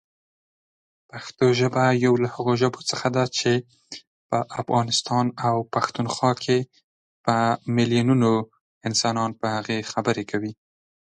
She was best known for her Queen of the Night and her Konstanze.